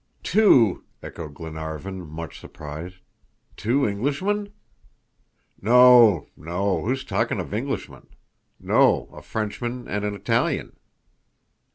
"Two?" echoed Glenarvan, much surprised. "Two Englishmen?" "No, no. Who is talking of Englishmen? No; a Frenchman and an Italian."